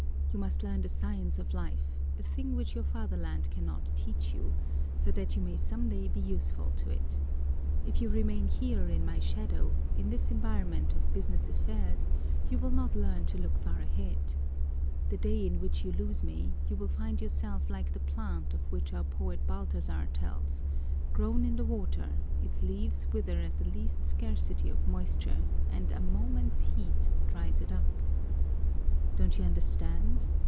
You must learn the science of life, a thing which your fatherland cannot teach you, so that you may some day be useful to it. If you remain here in my shadow, in this environment of business affairs, you will not learn to look far ahead. The day in which you lose me you will find yourself like the plant of which our poet Baltazar tells: grown in the water, its leaves wither at the least scarcity of moisture and a moment's heat dries it up. Don't you understand?